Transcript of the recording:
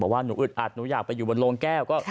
ว่าหนูอึดอัดหนูอยากไปอยู่บนโรงแก้ว